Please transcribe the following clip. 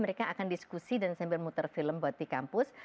mereka akan diskusi dan sambil muter film buat di kampus